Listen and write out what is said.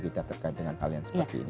tidak terkait dengan hal yang seperti ini